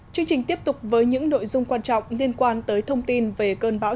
chương trình tiếp tục với những nội dung quan trọng liên quan tới thông tin về tiểu phẩm